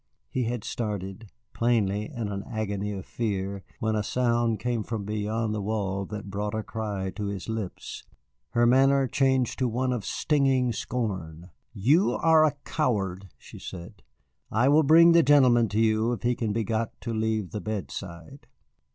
He had started, plainly in an agony of fear, when a sound came from beyond the wall that brought a cry to his lips. Her manner changed to one of stinging scorn. "You are a coward," she said. "I will bring the gentleman to you if he can be got to leave the bedside."